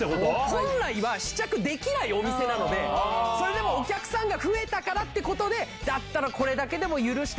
本来は試着できないお店なのでお客さんが増えたからってことでこれだけで許して。